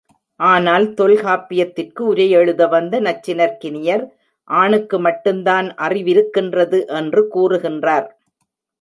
ஆனால் தொல்காப்பியத்திற்கு உரையெழுத வந்த நச்சினார்க்கினியர், ஆணுக்கு மட்டுந்தான் அறிவிருக்கின்றது என்று கூறுகின்றார்.